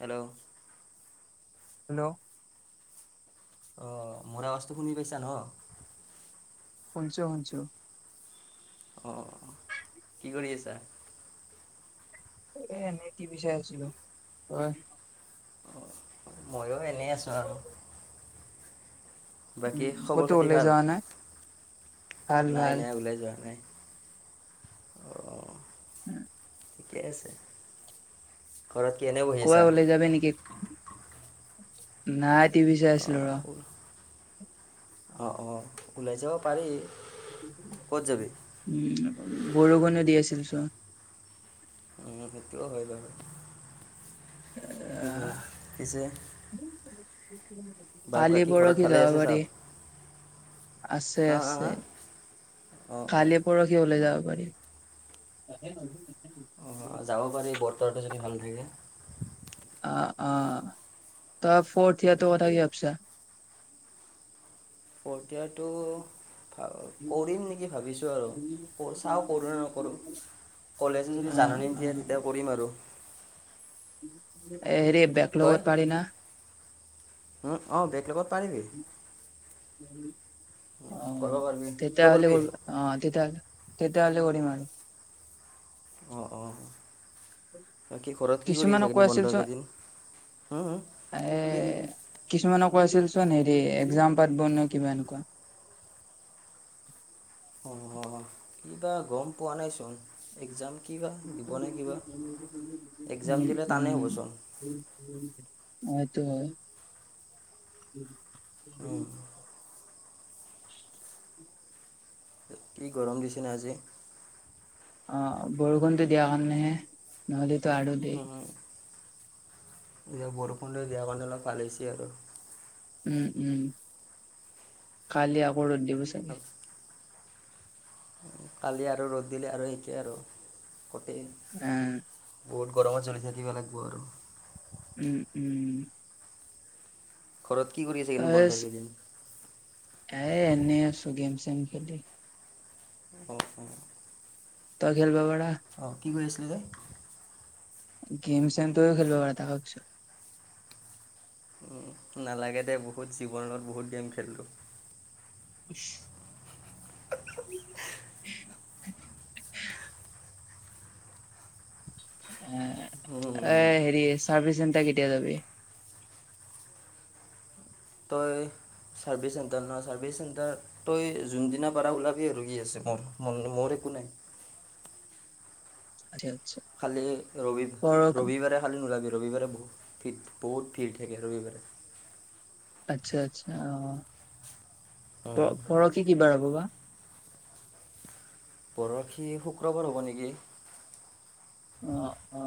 Hello hello অ' মোৰ আৱাজটো শুনি পাইছা ন। শোনিছো শোনিছো। অঁ' কি কৰি আছা? এ এনেই টিভি চাই আছিলো, তই? ময়ো এনেই আছো আৰু। বাকী উম' খবৰ ক'তো খাতি ওলাই ভাল? যোৱা নাই? ভাল নাই ভাল নাই ওলাই যোৱা নাই। অঁ উম' ঠিকে আছে। ঘৰত কি এনেই বহি আছা? দিবা নেকি? নাই টিভি চাই আছিলো ৰ'। অ' অ' ওলাই যাব পাৰি। ক'ত যাবি? উম' বৰষুণে দি আছিল চোৱা। উম' সেইটোও হয় বাৰু উমহু পিছে- বাৰু কালি বাকী ঘৰত পৰখি ভালে যাব আছে পাৰি। চব? আছে হা হা আছে হা? অঁ অঁ। কালিপ- পৰসি ওলাই যাব পাৰি। অঁ' যাব পাৰি বতৰটো যদি ভাল থাকে। অঁ' অঁ' তই ফৰ্থ ইয়াৰটো কথা কি ভাবিছা? ফৰ্থ ইয়াৰ টো কৰিম নেকি ভাবিছোঁ আৰু, চাওঁ কৰোঁ নে নকৰোঁ! কলেজে যদি জাননী দিয়ে, অ তেতিয়া কৰিম আৰু। এ, হেৰি বেক লগত পাৰি না? হু, অ' বেক লগত কৰিব অ', পাৰিবি তেতিয়া তই হ'লে কৰিবি কৰবা অ', তেতিয়া হ'লে, তেতিয়া হ'লে কৰিম আৰু। অ, অ' বাকী ঘৰত কি কৰি আছা কিছুমানক কৈ এইকেইদিন আছিল বন্ধৰ চোন কেইদিন? হুম, হুম, কি? কিছুমানে কৈ আছিল চোন হেৰি, একজাম পাতব নে কিবা এনেকুৱা অ', কি বা, গম পোৱা নাইচোন এক্সাম কি বা, দিব নে কি বা! একজাম বোলে টানে হ'বচোন অ, এইটো হয়। উম কি গৰম দিছে ন আজি! অ' বৰষুণটো দিয়াৰ কাৰণে হে, নহ'লেতো আৰু দেই এতিয়া বৰষুণটো দিয়া কাৰণে অলপ ভাল হৈছে আৰু উম, উম। কালি আকৌ ৰ'দ দিব চাগে কালি আৰু ৰ'দ দিলে আৰু একেই আৰু, গোটেই উম বহুত গৰমত জ্বলি থাকিব লাগিব আৰু! উম, উম ঘৰত কি কৰি আছা এইকেইদিন এচ বন্ধৰ কেইদিন? এ, এনেই আছো গেম চেম খেলি। অ, অ। তই খেলিব পাৰা অ, কি কৰি আছিলি তই? গেম চেম টোও খেলিব পাৰা, তাকে সুধছো। উম, নালাগে দে, বহুত জীৱনত বহুত গেম খেলিলো। [inaudible] [inaudible] এ উম এই হেৰি, চাৰ্ভিচ চেণ্টাৰ কেতিয়া যাবি? তই, চাৰ্ভিচ চেণ্টাৰ নহয়, চাৰ্ভিচ চেণ্টাৰ তই জোনদিনা পাৰা ওলাবি আৰু কি আছে মোৰ, মোৰ একো নাই। [inaudible] খালি ৰবি, পৰ ৰবিবাৰে খালি নোলাবি, ৰবিবাৰে বহুত ভিৰ, বহুত ভিৰ থাকে ৰবিবাৰে। আচ্ছা, আচ্ছা, অ, প পৰসি কিবাৰ হ'ব বা! পৰসি শুক্ৰবাৰ হ'ব নেকি অ অ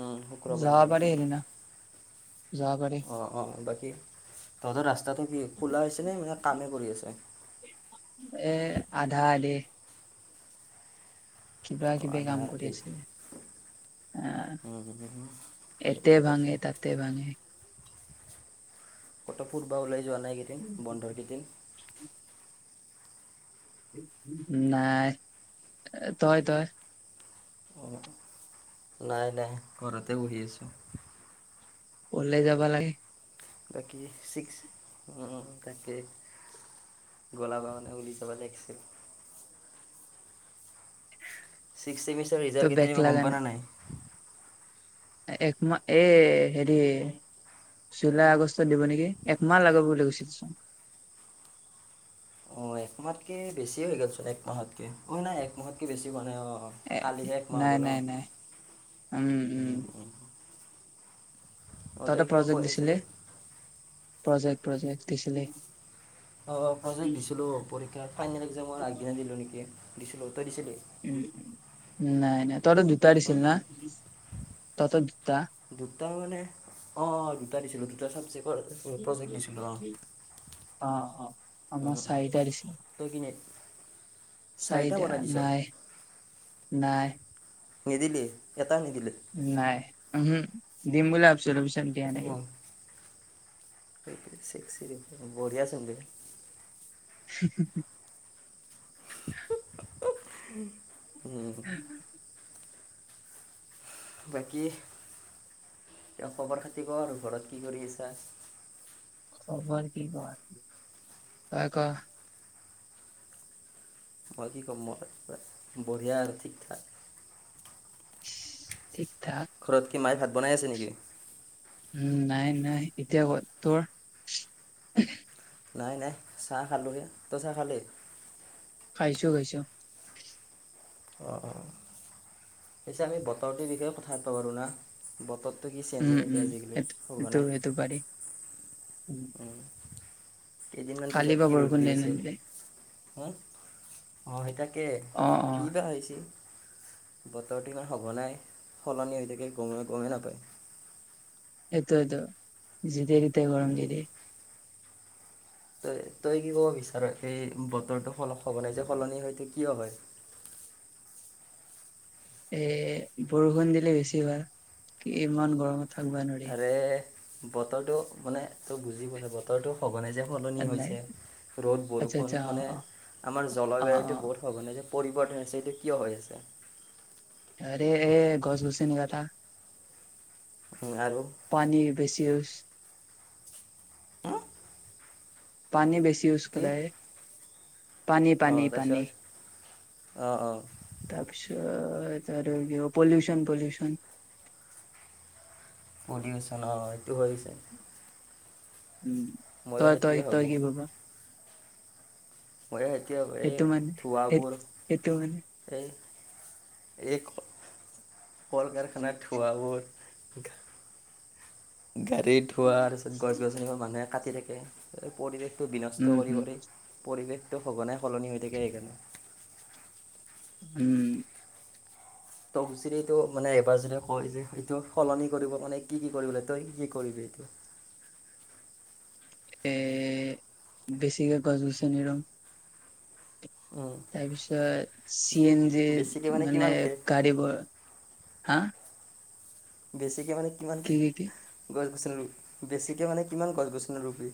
উম, শুক্ৰবাৰ যাব পাৰি হ'ব। সেইদিনা যাব পাৰি। অ', অ', বাকী তহঁতৰ ৰাস্তাটো কি খোলা হৈছেনে, মানে কামেই কৰি আছে? এ, আধা আধি কিবা অঁ কিবি আধা কাম কৰি আধি আছে, অ' এতে ঠিকে আছে ভাঙে, তাতে ভাঙে। [unintelligible] ওলাই যোৱা নাই এইকেইদিন উম হ বন্ধৰ কেইদিন [unintelligible] নাই, তই তই? অ' নাই নাই ঘৰতে বহি আছো। ওলাই যাবা লাগে। বাকী ছিক্স, উম, তাকে। [unintelligible] ছিক্স ছেমিষ্টাৰ তই ৰিজাল্ট কেতিয়া বেক দিব লাগা গম পালা নাই? এক মা, এ হেৰি। জুলাই আগষ্টত দিব নেকি? একমাহ লাগাব বুলি কৈছিলচোন। অ এক মাহতকে বেছি হৈ গ'ল চোন এক মাহতকে, অ নাই এক মাহতকে বেছি হোৱা নাই অ। এ কালি হে একমাহ হব নাই ন? নাই নাই উম' উম'। অঁ তহতে তই কিবা কৈ প্ৰজেক্ট দিছিলে? আছিলি প্ৰজেক্ট প্ৰজেক্ট দিছিলে। অ' অ' প্ৰজেক্ট দিছিলো পৰীক্ষাৰ ফাইনেল এক্জামৰ আগদিনা দিলো নেকি দিছিলো। তই দিছিলি? উম' নাই নাই, তহতো দুটা দিছিল হুম? না? তহতো দুটা। দুটা মানে, অঁ অঁ দুটা দিছিলোঁ দুটা ছাবজেক্টৰ প্ৰজেক্ট দিছিলোঁ অঁ। অ' অ' উম, আমাৰ উম। চাৰিটা দিছিল। [unintelligible] চাৰিটা বনাই দিছ? নাই নিদিল? এটা নিদিলি? [unintelligible] নাই, উহো দিম বুলি ভাবিছিলো। বঢ়িিয়া চ [unintelligible] হু হুু। [unintelligible] [inaudible] বাকী খবৰ-খাতি ক আৰু ঘৰত কি কৰি আছা? খবৰ কি কোৱা, কোৱা-কোৱা? খবৰ কি কম মই বঢ়িয়া আৰু ঠিক-ঠাক। ঠিক-ঠাক। ঘৰত কি মায়ে ভাত বনাই আছে নেকি? উম নাই-নাই এতিয়া ক'ত তোৰ? নাই-নাই চাহ খালোহে, তই চাহ খালি? খাইছো-খাইছো। অ-অ পিছে আমি বতৰটোৰ বিষয়ে কথা পাব পাৰোঁ না'? বতৰটো কি চেঞ্জ উম হৈ থাকে উম আজিকালি সঘনাই। উম। কেইদিনমান পিছত কি ৰ'দ দি আছিল! অ সেই তাকে। অ। কি বা আহিছে, বতৰটো ইমান সঘনাই সলনি হৈ থাকে গমে - গমেই নাপায়। সেইটোয়েটো যেতিয়া-তেতিয়াই গৰম দি দিয়ে। তই-তই কি ক'ব বিচাৰ? সেই বতৰটো সল সঘনাই যে সলনি হয় কিয় হয়? এ বৰষুণ দিলে বেছি ভাল কি ইমান গৰমত। থাকবা নোৱাৰি আৰে বতৰটো মানে তই বুজি বলে বল। বতৰটো সঘনাই যে সলনি নাই হৈছে ৰ'দ আচ্ছা বৰষুণ আচ্ছা অ মানে অ আমাৰ অ অ জলবায়ুটো বহুত। সঘনাই যে পৰিৱৰ্ত হৈ আছে এইটো কিয় হৈ আছে? আৰে গছ-গছনি কটা। উম, আৰু? পানী বেছি ইউচ্। হা? পানী বেছি ইউজ কৰাই। অ', তাৰপিছত অ', অ'। তাৰ পিছত আৰু পলিউচন-পলিউচন। পলিউচন অ', এইটো হৈছে। উ, ময়ো সেইটোৱে তই-তই-তই ভাবোঁ কি ভাব? মইও সেইটোৱে ভাবো সেইটো এইয মানে সেই ধোৱাবোৰ। সেইটো মানে এই-এই কল-কাৰখানাৰ ধোৱাবোৰ। গাড়ীত ধোৱাৰ তাৰ পিছত গছ-গছনি বোৰ মানুহে কাটি থাকে। পৰিৱেশটো বিনষ্ট উম কৰি হম কৰি, পৰিৱেশটো সঘনাই সলনি হৈ থাকে সেইকাৰণে। উম। তোক যিদি এইটো মানে এবাৰ যেনে কয় যে এইটো সলনি কৰিব, মানে কি-কি কৰিবলৈ তই কি কি কৰিবি এইটো? এ বেছিকে গছ-গছনি ৰুম। উম, তাৰপিছত চি এন জি বেছিকৈ মানে কিমানকৈ গাড়ীবোৰ হা? বেছিকৈ মানে কিমান কি কি কি গছ-গছনি ৰু, বেছিকৈ মানে কিমান গছ-গছনি ৰুবি?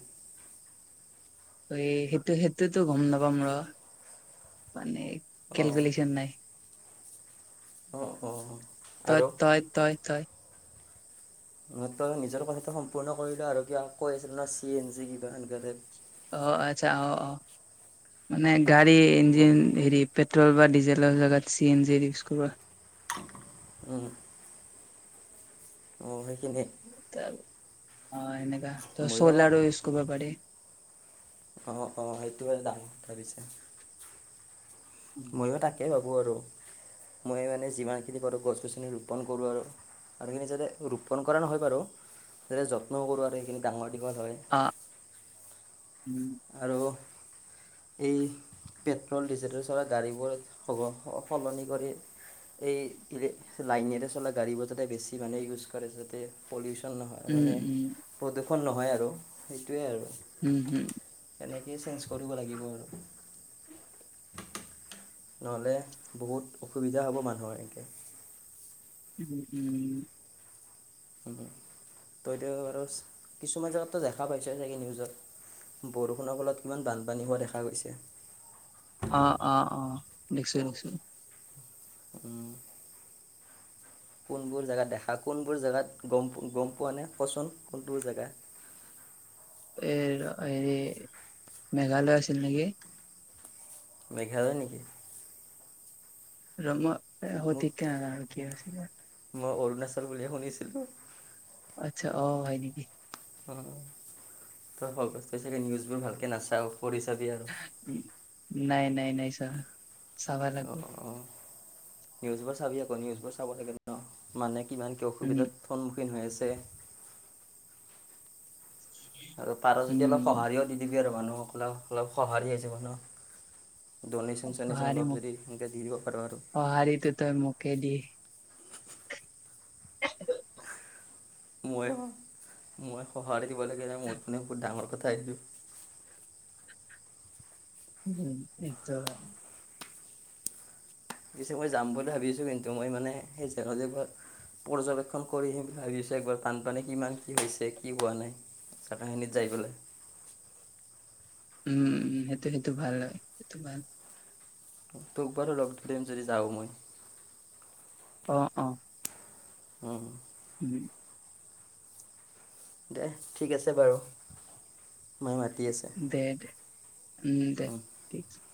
হেইটো-হেইটোতো গ'ম নাপাম ৰ' মানে অঁ কেলকুলেশ্যন নাই। অ', অ'। তই, তাই, তাই, তাই? তই নিজৰ কথাটো সম্পূৰ্ণ কৰিল, আৰু কিবা কৈ আছিল ন' চি এন চি কিবা এনেকোৱা টাইপ। অ', আচ্ছা অ', অ', মানে গাড়ী ইঞ্জিন হেৰি পেট্ৰল বা ডিজেলৰ জেগাত চি এন জিৰ ইউজ কৰবা। উম। অ', সেইখিনিয়ে! অ', এনেকা ত' ময়ো চলাৰো ইউচ কৰিব পাৰি। অ', অ', সেইটো বাৰু ডাঙৰ কথা কৈছা। ময়ো তাকে ভাবোঁ আৰু মই মানে যিমানখিনি পাৰোঁ গছ-গছনি ৰোপণ কৰোঁ আৰু। আৰুখিনি যাতে ৰোপণ কৰা নহয় বাৰু যাতে, যত্নও কৰোঁ আৰু সেইখিনি ডাঙৰ দীঘল হয়। অ', উম। আৰু এই পেট্ৰল-ডিজেলৰ গাড়ীবোৰ সলনি কৰি। এই ইলে লাইনেৰে চলা গাড়ীবোৰ যাতে বেছি মানে ইউজ কৰে যাতে পলিউচন নহয় উম মানে উম প্ৰদূষণ নহয় আৰু সেইটোৱেই আৰু। হম, হুম। তেনেকেই চেঞ্জ কৰিব লাগিব আৰু। নহ'লে বহুত অসুবিধা হ'ব মানুহৰ এনেকৈ। উম, উম। উম, তইতো আৰু কিছুমান জেগাতটো দেখা পাইছ চাগে নিউজত? বৰষুণৰ ফলত কিমান বানপানী হোৱা দেখা গৈছে। অ', অ', অ', দেখছো দেখছো। উম। কোনবোৰ জেগাত দেখা, কোনবোৰ জেগাত গ'ম গ'ম পোৱা নাই কচোন কোনতোৰ জেগা? এ ৰ হেৰি মেঘালয় আছিল নিকি? মেঘালয় নিকি? ৰ ম এ মোক সঠিককে নেজানো কি‌ হৈছিলে? মই অৰুণাচল বুলিহে শুনিছিলো। আচ্ছা অ, হয় নেকি? অ তই [unintelligible] চাগে নিউজবোৰ ভালকে নাচাও, পঢ়ি চাবি আৰু। নাই নাই নাই ছাৰ, চাবা লাগব। অ, নিউজবোৰ চাবি আকৌ নিউজবোৰ চাব লাগে ন মানে কিমান কি উম অসুবিধাত সন্মুখীন হৈ আছে আৰু পাৰ যদি অলপ উম সঁহাৰিও দি দিবি আৰু মানুহসকলক অলপ সঁহাৰি হৈ যাব ন? ডনেশন - চনেশন অলপ যদি এনেকে দি দিব পাৰ আৰু। সহাৰিটো তই মোকে দি [inaudible] মই স, মই সঁহাৰি দিব লাগে যে মোৰ পোনে বহুত ডাঙৰ কথা এইটো। উহোম নিশ্চয় হয়। পিছে মই যাম বুলি ভাবিছো কিন্তু মই মানে সেই জেগা জেগা পৰ্যবেক্ষণ কৰি আহিম বুলি ভাবিছো একবাৰ বানপানী কিমান কি হৈছে কি হোৱা নাই? কাথাখিনিত যাই পেলাই। উম উ সেইটো সেইটো ভাল হয় সেইটো ভাল। তোক বাৰু লগ ধৰিম যদি যাও মই। অ অ। উম। উম। দে ঠিক আছে বাৰু, মাই মাতি আছ দে দে, উম দে ঠিক [unintelligible]